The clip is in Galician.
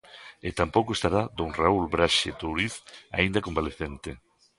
E tampouco estará don Raúl Braxe Touriz, aínda convalecente.